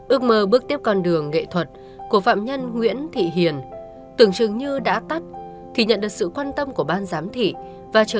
đặc biệt là tổ chức cho các phạm nhân hoạt động phong trào thể dục thể thao